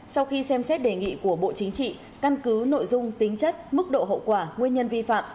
sau khi xem xét đề nghị của bộ chính trị căn cứ nội dung tính chất mức độ hậu quả nguyên nhân vi phạm